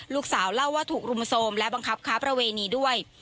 ลูกสาวเล่าว่าถูกรุมโทรมและบังคับค้าประเวณีด้วย